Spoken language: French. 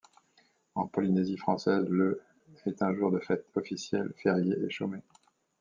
En Polynésie française, le est un jour de fête officiel, férié et chômé.